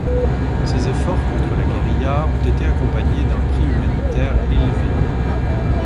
Ces efforts contre la guérilla ont été accompagnés d'un prix humanitaire élevé.